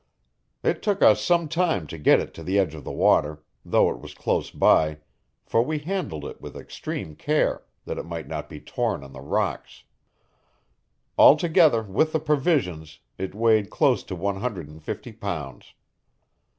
It took us some time to get it to the edge of the water, though it was close by, for we handled it with extreme care, that it might not be torn on the rocks. Altogether, with the provisions, it weighed close to one hundred and fifty pounds.